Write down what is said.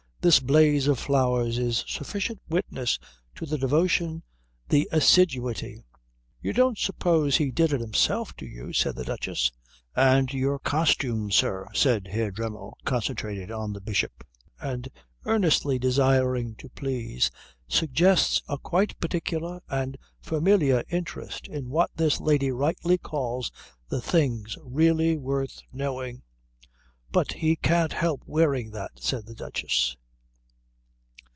This blaze of flowers is sufficient witness to the devotion, the assiduity " "You don't suppose he did it himself, do you?" said the Duchess. "And your costume, sir," said Herr Dremmel, concentrated on the Bishop and earnestly desiring to please, "suggests a quite particular and familiar interest in what this lady rightly calls the things really worth knowing." "But he can't help wearing that," said the Duchess.